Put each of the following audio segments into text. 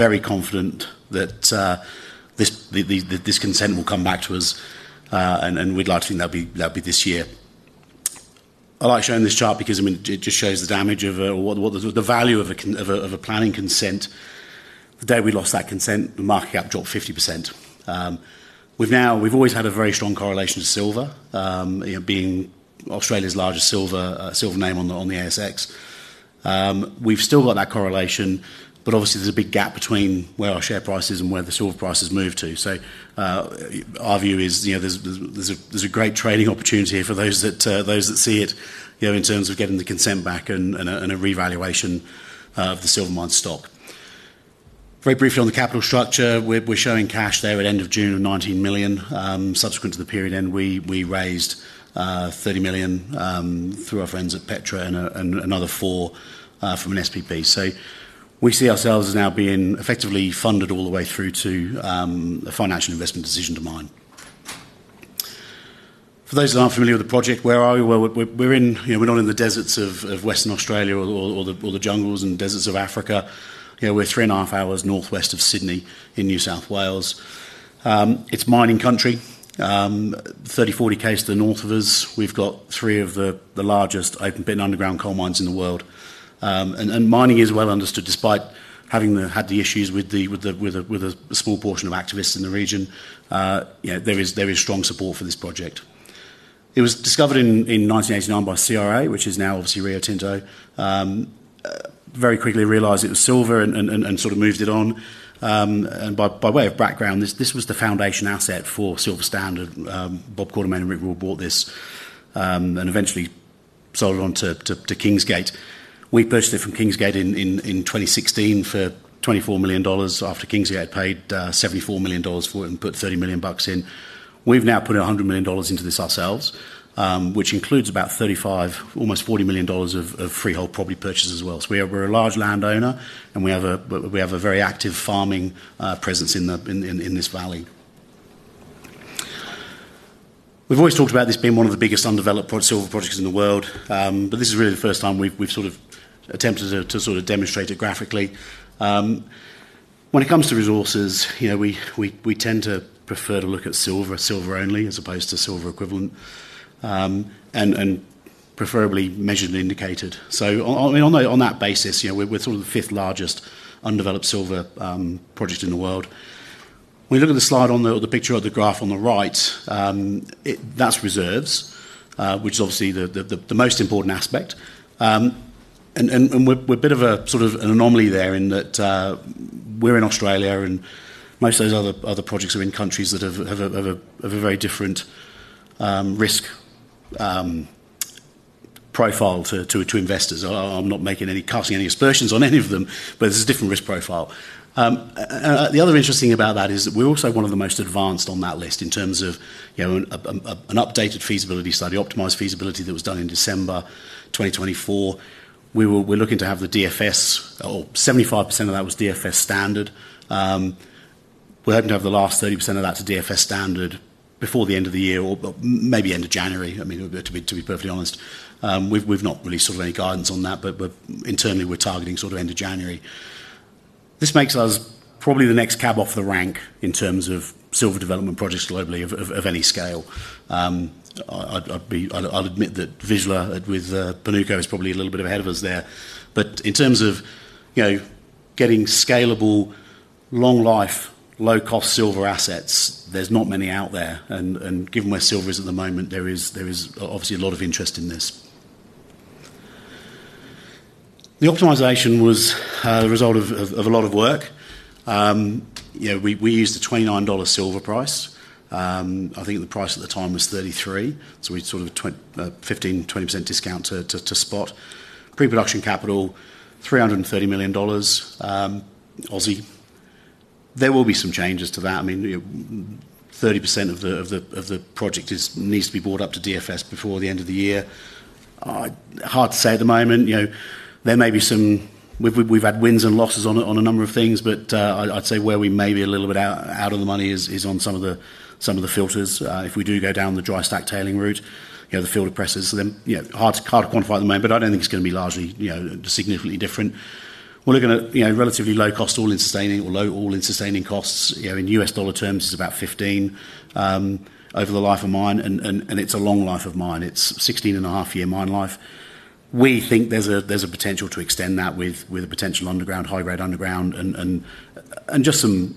Very confident that this consent will come back to us, and we'd like to think that'll be this year. I like showing this chart because it just shows the damage of what the value of a planning consent. The day we lost that consent, the [market] dropped 50%. We've now, we've always had a very strong correlation to silver, you know, being Australia's largest silver name on the ASX. We've still got that correlation, but obviously there's a big gap between where our share price is and where the silver price has moved to. Our view is there's a great trading opportunity here for those that see it, in terms of getting the consent back and a revaluation of the Silver Mines stock. Very briefly on the capital structure, we're showing cash there at the end of June of $19 million. Subsequent to the period end, we raised $30 million through our friends at Petra and another $4 million from an SPP. We see ourselves as now being effectively funded all the way through to the financial investment decision to mine. For those that aren't familiar with the project, where are we? We're not in the deserts of Western Australia or the jungles and deserts of Africa. We're three and a half hours northwest of Sydney in New South Wales. It's mining country. Thirty to forty kilometers to the north of us, we've got three of the largest open pit underground coal mines in the world. Mining is well understood despite having had the issues with a small portion of activists in the region. There is strong support for this project. It was discovered in 1989 by CRA, which is now obviously Rio Tinto, very quickly realized it was silver and sort of moved it on. By way of background, this was the foundation asset for Silver Standard. Bob Quartermain and Rick Rule bought this and eventually sold it on to Kingsgate. We purchased it from Kingsgate in 2016 for $24 million after Kingsgate paid $74 million for it and put $30 million in. We've now put $100 million into this ourselves, which includes about $35 million, almost $40 million of freehold property purchases as well. We're a large landowner and we have a very active farming presence in this valley. We've always talked about this being one of the biggest undeveloped silver projects in the world, but this is really the first time we've attempted to demonstrate it graphically. When it comes to resources, you know, we tend to prefer to look at silver as silver only as opposed to silver equivalent and preferably measured and indicated. On that basis, you know, we're sort of the fifth largest undeveloped silver project in the world. When you look at the slide on the picture of the graph on the right, that's reserves, which is obviously the most important aspect. We're a bit of a sort of an anomaly there in that we're in Australia and most of those other projects are in countries that have a very different risk profile to investors. I'm not casting any aspersions on any of them, but it's a different risk profile. The other interesting thing about that is that we're also one of the most advanced on that list in terms of an updated feasibility study, optimized feasibility that was done in December 2024. We're looking to have the DFS, or 75% of that was DFS standard. We're hoping to have the last 30% of that to DFS standard before the end of the year or maybe end of January, I mean, to be perfectly honest. We've not released sort of any guidance on that, but internally we're targeting sort of end of January. This makes us probably the next cab off the rank in terms of silver development projects globally of any scale. I'll admit that Vizsla with Pernuko is probably a little bit ahead of us there. In terms of, you know, getting scalable, long-life, low-cost silver assets, there's not many out there. Given where silver is at the moment, there is obviously a lot of interest in this. The optimization was a result of a lot of work. You know, we used a $29 silver price. I think the price at the time was $33. We sort of had a 15%-20% discount to spot. Pre-production capital, $330 million. There will be some changes to that. I mean, 30% of the project needs to be brought up to DFS before the end of the year. Hard to say at the moment. There may be some... We've had wins and losses on a number of things, but I'd say where we may be a little bit out of the money is on some of the filters. If we do go down the dry stack tailing route, you know, the filter presses, then it's hard to quantify at the moment, but I don't think it's going to be largely, you know, significantly different. We're looking at, you know, relatively low-cost all-in sustaining or low all-in sustaining costs. In U.S. dollar terms, it's about $15 over the life of mine, and it's a long life of mine. It's 16.5 year mine life. We think there's a potential to extend that with a potential underground, high-grade underground, and just some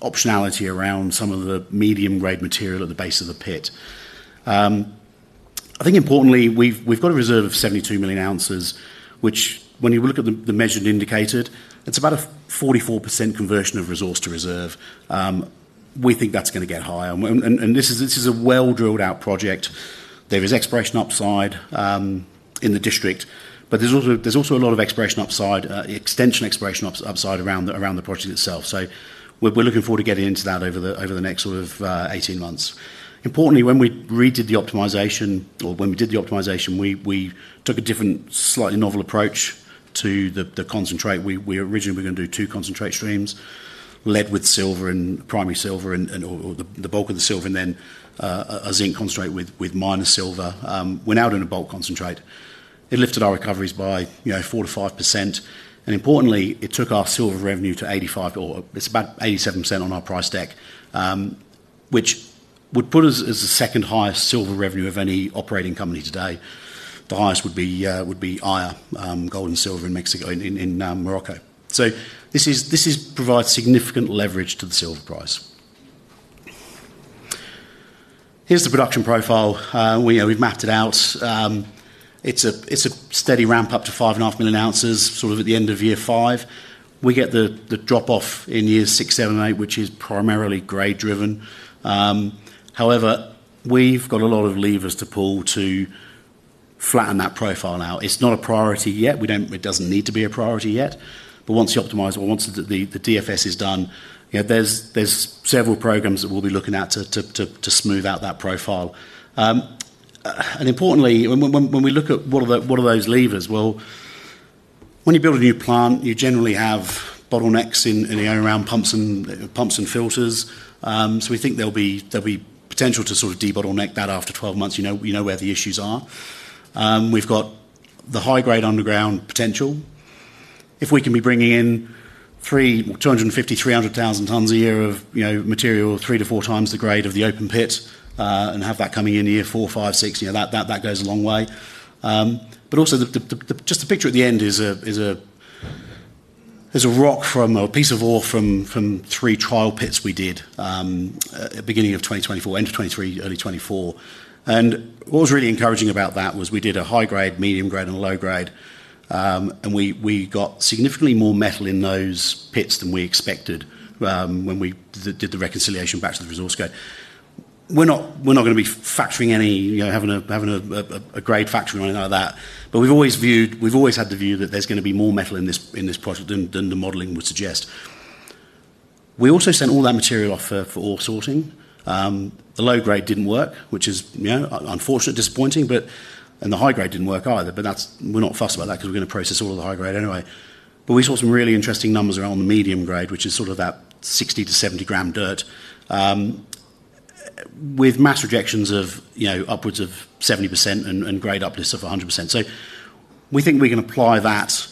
optionality around some of the medium-grade material at the base of the pit. Importantly, we've got a reserve of 72 million ounces, which when you look at the measured indicated, it's about a 44% conversion of resource to reserve. We think that's going to get higher. This is a well-drilled-out project. There is exploration upside in the district, but there's also a lot of exploration upside, extension exploration upside around the project itself. We're looking forward to getting into that over the next sort of 18 months. Importantly, when we did the optimization, we took a different, slightly novel approach to the concentrate. We originally were going to do two concentrate streams, lead with silver and primary silver, or the bulk of the silver, and then a zinc concentrate with minus silver. We're now doing a bulk concentrate. It lifted our recoveries by 4% to 5%. Importantly, it took our silver revenue to 85%, or it's about 87% on our price stack, which would put us as the second highest silver revenue of any operating company today. The highest would be IRA, gold and silver in Mexico, in Morocco. This provides significant leverage to the silver price. Here's the production profile. We've mapped it out. It's a steady ramp up to 5.5 million ounces, sort of at the end of year five. We get the drop-off in years six, seven, and eight, which is primarily grade-driven. However, we've got a lot of levers to pull to flatten that profile out. It is not a priority yet. It doesn't need to be a priority yet. Once the optimizer, or once the DFS is done, there are several programs that we'll be looking at to smooth out that profile. Importantly, when we look at what are those levers, when you build a new plant, you generally have bottlenecks in the own-around pumps and pumps and filters. We think there'll be potential to sort of debottleneck that after 12 months. You know where the issues are. We've got the high-grade underground potential. If we can be bringing in 250,000, 300,000 tons a year of material 3x-4x the grade of the open pit, and have that coming in year four, five, six, that goes a long way. Just the picture at the end is a rock from a piece of ore from three trial pits we did at the beginning of 2024, end of 2023, early 2024. What was really encouraging about that was we did a high grade, medium grade, and a low grade. We got significantly more metal in those pits than we expected when we did the reconciliation back to the resource scale. We're not going to be factoring any, you know, having a grade factory or anything like that. We've always viewed, we've always had the view that there's going to be more metal in this project than the modeling would suggest. We also sent all that material off for ore sorting. The low grade didn't work, which is unfortunate, disappointing, but the high grade didn't work either. We're not fussed about that because we're going to process all of the high grade anyway. We saw some really interesting numbers around the medium grade, which is sort of about 60-70 gram dirt, with mass rejections of upwards of 70% and grade uplifts of 100%. We think we can apply that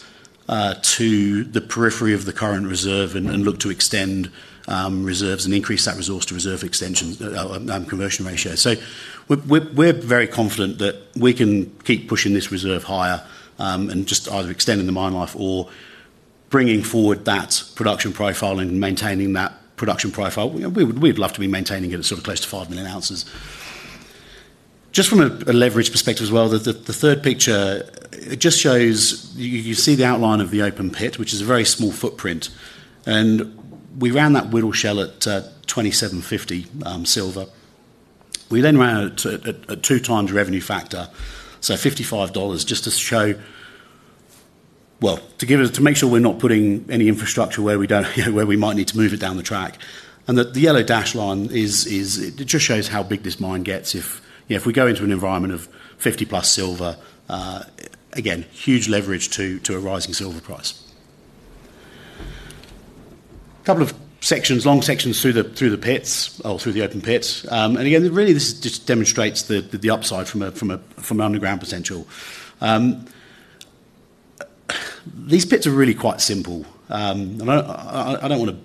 to the periphery of the current reserve and look to extend reserves and increase that resource to reserve extension and conversion ratios. We're very confident that we can keep pushing this reserve higher and just either extending the mine life or bringing forward that production profile and maintaining that production profile. We'd love to be maintaining it at sort of close to 5 million ounces. Just from a leverage perspective as well, the third picture just shows you see the outline of the open pit, which is a very small footprint. We ran that whittle shell at $27.50 silver. We then ran it at two times revenue factor, so $55, just to show, to make sure we're not putting any infrastructure where we might need to move it down the track. The yellow dash line just shows how big this mine gets if we go into an environment of 50+ silver, again, huge leverage to a rising silver price. A couple of sections, long sections through the pits or through the open pits. This just demonstrates the upside from an underground potential. These pits are really quite simple. I don't want to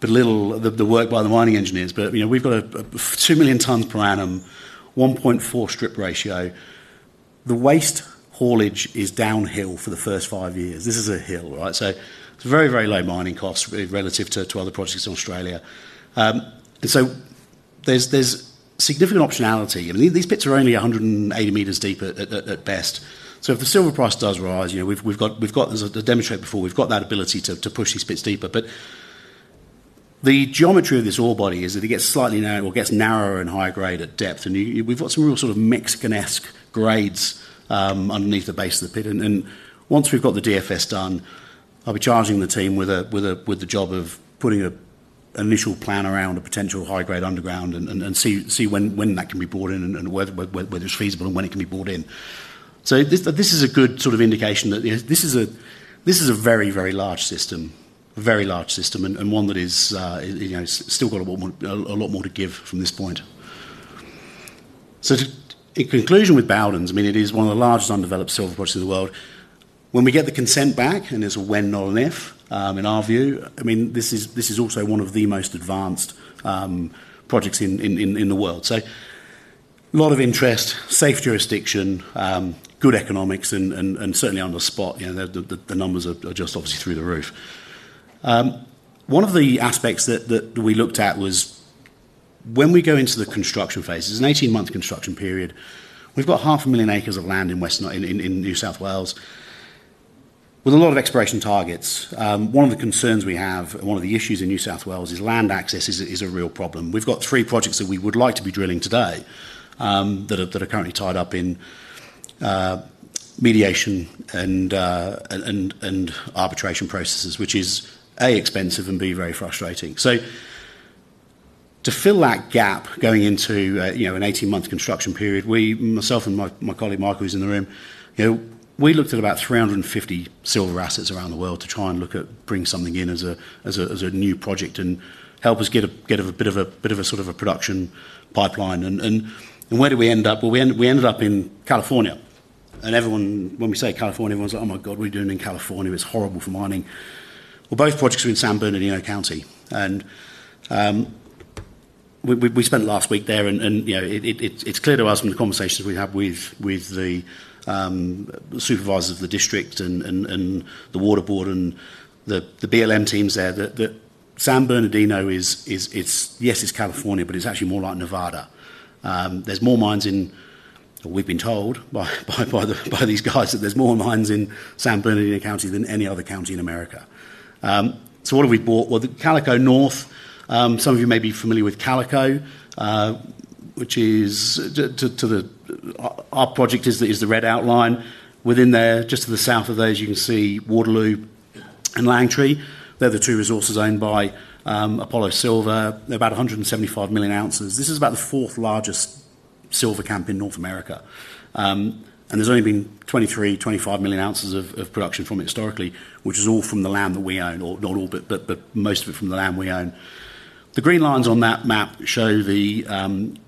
belittle the work by the mining engineers, but we've got a 2 million tons per annum, 1.4 strip ratio. The waste haulage is downhill for the first five years. This is a hill, right? It's a very, very low mining cost relative to other projects in Australia. There's significant optionality, and these pits are only 180 meters deep at best. If the silver price does rise, you know, we've got, as I demonstrated before, that ability to push these pits deeper. The geometry of this ore body is that it gets slightly narrower and high grade at depth. We've got some real sort of Mexicanesque grades underneath the base of the pit. Once we've got the DFS done, I'll be charging the team with the job of putting an initial plan around a potential high grade underground and see when that can be brought in and whether it's feasible and when it can be brought in. This is a good sort of indication that this is a very, very large system, a very large system, and one that is, you know, still got a lot more to give from this point. In conclusion with Bowdens, it is one of the largest undeveloped silver projects in the world. When we get the consent back, and there's a when, not an if, in our view, this is also one of the most advanced projects in the world. A lot of interest, safe jurisdiction, good economics, and certainly on the spot, you know, the numbers are just obviously through the roof. One of the aspects that we looked at was when we go into the construction phase, it's an 18-month construction period. We've got half a million acres of land in New South Wales with a lot of exploration targets. One of the concerns we have and one of the issues in New South Wales is land access is a real problem. We've got three projects that we would like to be drilling today that are currently tied up in mediation and arbitration processes, which is A, expensive and B, very frustrating. To fill that gap going into an 18-month construction period, myself and my colleague Mark, who's in the room, you know, we looked at about 350 silver assets around the world to try and look at bringing something in as a new project and help us get a bit of a sort of a production pipeline. Where did we end up? We ended up in California. Everyone, when we say California, everyone's like, "Oh my God, what are you doing in California? It's horrible for mining." Both projects are in San Bernardino County. We spent last week there, and you know, it's clear to us from the conversations we have with the supervisors of the district and the water board and the BLM teams there that San Bernardino is, yes, it's California, but it's actually more like Nevada. There's more mines in, we've been told by these guys, that there's more mines in San Bernardino County than any other county in America. What have we bought? The Calico North, some of you may be familiar with Calico, which is our project, is the red outline. Within there, just to the south of those, you can see Waterloo and Langtry. They're the two resources owned by Apollo Silver. They're about 175 million ounces. This is about the fourth largest silver camp in North America. There's only been 23, 25 million ounces of production from it historically, which is all from the land that we own, or not all, but most of it from the land we own. The green lines on that map show the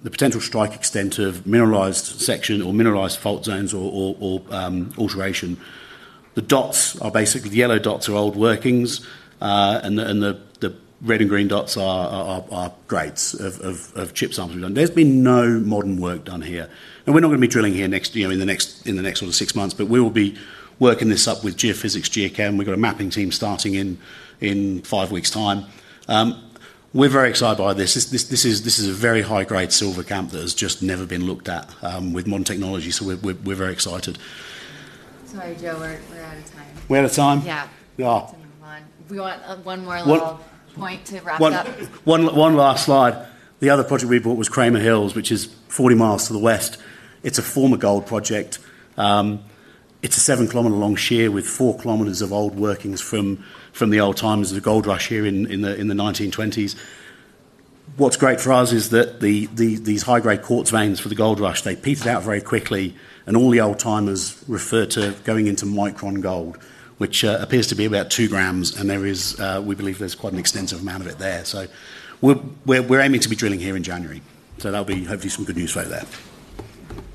potential strike extent of mineralized section or mineralized fault zones or alteration. The dots are basically, the yellow dots are old workings, and the red and green dots are grades of chip samples we've done. There's been no modern work done here. We're not going to be drilling here in the next sort of six months, but we will be working this up with geophysics, geochem. We've got a mapping team starting in five weeks' time. We're very excited by this. This is a very high-grade silver camp that has just never been looked at with modern technology. We're very excited. Sorry, Joe, we're out of time. We're out of time? Yeah. Yeah. We want one more little point to wrap up. One last slide. The other project we bought was Cramer Hills, which is 40 miles to the west. It's a former gold project. It's a 7 km long shear with 4 km of old workings from the old timers of the gold rush here in the 1920s. What's great for us is that these high-grade quartz veins for the gold rush petered out very quickly, and all the old timers refer to going into micron gold, which appears to be about two grams, and there is, we believe there's quite an extensive amount of it there. We're aiming to be drilling here in January. That'll be hopefully some good news for you there.